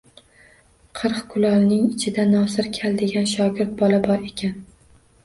Qirq kulolning ichida Nosir kal degan shogird bola bor ekan